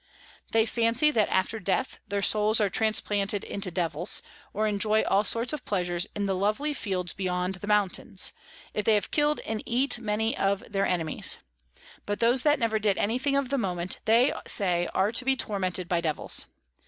They fancy that after Death their Souls are transplanted into Devils, or enjoy all sorts of Pleasures in lovely Fields beyond the Mountains, if they have kill'd and eat many of their Enemies; but those that never did any thing of moment, they say are to be tormented by Devils.